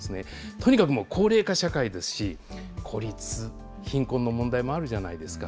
とにかく高齢化社会ですし、孤立、貧困の問題もあるじゃないですか。